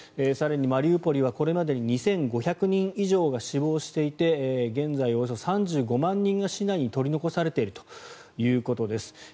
更にマリウポリはこれまでに２５００人以上が死亡していて現在およそ３５万人が市内に取り残されているということです。